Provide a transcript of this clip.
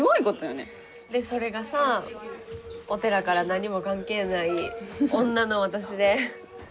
それがさお寺から何も関係ない女の私で。